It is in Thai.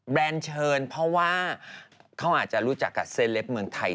แรนด์เชิญเพราะว่าเขาอาจจะรู้จักกับเซเลปเมืองไทย